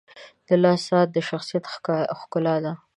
• د لاس ساعت د شخصیت ښکلا ده.